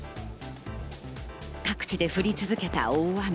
各地で降り続けた大雨。